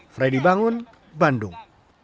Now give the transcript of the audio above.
freddy bangun bandung